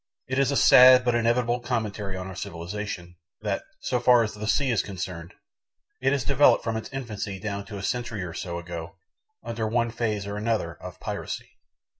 It is a sad but inevitable commentary on our civilization, that, so far as the sea is concerned, it has developed from its infancy down to a century or so ago, under one phase or another of piracy.